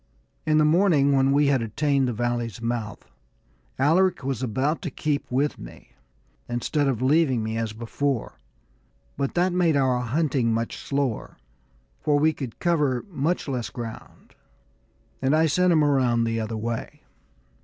In the morning, when we had attained our valley's mouth, Alaric was about to keep with me, instead of leaving me as before; but that made our hunting much slower, for we could cover much less ground, and I sent him around the other way.